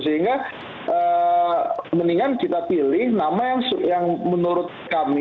sehingga mendingan kita pilih nama yang menurut kami